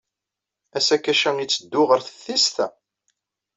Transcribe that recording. Asakac-a itteddu ɣer teftist?